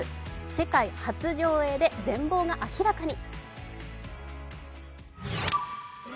世界初上映で全貌が明らかに。